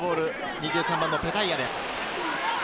２３番のペタイアです。